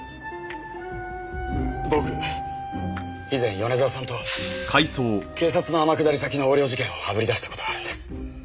僕以前米沢さんと警察の天下り先の横領事件をあぶり出した事があるんです。